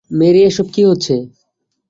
Mary এসব কি হচ্ছে!